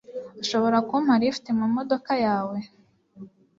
Urashobora kumpa lift mumodoka yawe?